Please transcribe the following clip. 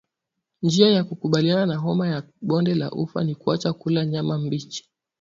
Njia ya kukabiliana na homa ya bonde la ufa ni kuacha kula nyama mbichi